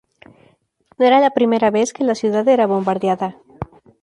No era la primera vez que la ciudad era bombardeada.